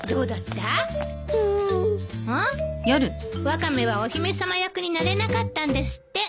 ワカメはお姫様役になれなかったんですって。